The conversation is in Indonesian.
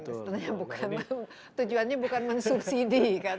sebenarnya bukan tujuannya bukan mensubsidi kan